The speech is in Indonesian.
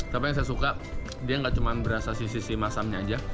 tapi yang saya suka dia gak cuma berasa sih sisi masamnya aja